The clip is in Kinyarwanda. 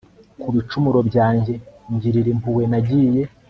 ku bicumuro byanjye, ngirira impuhwe, nagiye